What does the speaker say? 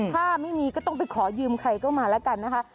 ถ้าไม่มีก็ต้องไปขอยืมใครก็มาแล้วกันนะคะ